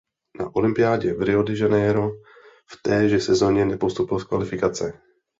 Na olympiádě v Rio de Janeiro v téže sezóně nepostoupil z kvalifikace.